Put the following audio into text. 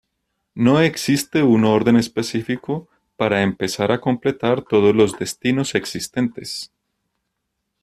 No existe un orden específico para empezar a completar todos los destinos existentes.